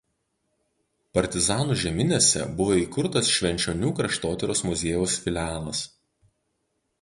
Partizanų žeminėse buvo įkurtas Švenčionių kraštotyros muziejaus filialas.